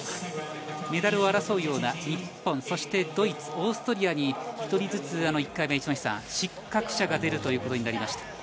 メダルを争うような日本、ドイツ、オーストリアに１人ずつ、１回目、失格者が出るということになりました。